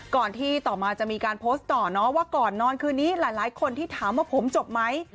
ก่อนที่ต่อมาจะมีการโพสต์ต่อเนาะว่าก่อนนอนคืนนี้หลายคนที่ถามว่าผมจบไหม